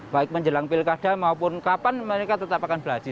baik menjelang pilkada maupun kapan mereka tetap akan belajar